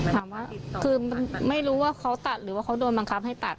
ถามว่าคือไม่รู้ว่าเขาตัดหรือว่าเขาโดนบังคับให้ตัด